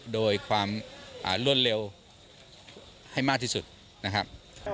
โดยความรวดเร็วให้มากที่สุดนะครับ